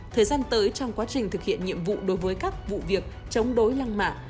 thời gian tới trong quá trình thực hiện nhiệm vụ đối với các vụ việc chống đối lăng mạ